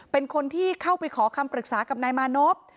เป็นคนที่เข้าไปขอคำปรึกษากับนายมานพ